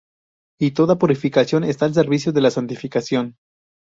Y toda purificación está al servicio de la santificación.